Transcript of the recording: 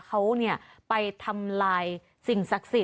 เขาไปทำลายสิ่งศักดิ์สิทธ